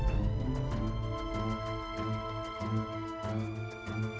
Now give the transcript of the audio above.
aku butuh sedikit cahaya